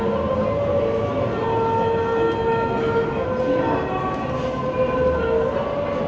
สวัสดีครับ